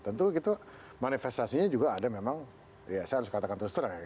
tentu manifestasinya juga ada memang ya saya harus katakan terus terang ya